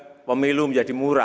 sehingga pemilu menjadi murah